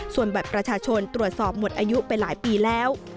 ส่วนบัตรประชาชนตรวจสอบหมดอายุไปหลายปีแล้ว